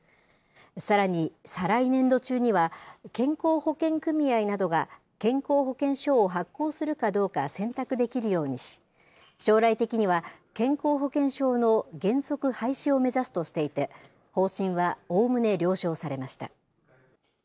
さらに、再来年度中には、健康保険組合などが健康保険証を発行するかどうか選択できるようにし、将来的には健康保険証の原則廃止を目指すとしていて、方針はおおむね了承されました。